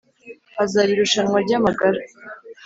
hazaba irushanwa ry’ amagara